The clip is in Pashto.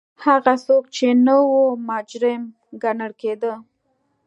هغه څوک چې نه و مجرم ګڼل کېده.